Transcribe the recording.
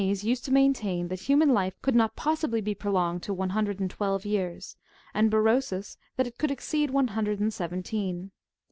Epigenes^^ used to maintain that human life could not be possibly prolonged to one hundred and twelve years, and Berosus® that it could exceed one hundred and seventeen.